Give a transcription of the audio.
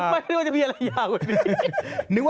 ไม่ได้ว่ามีอะไรยากสิ